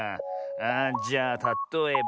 あじゃあたとえば。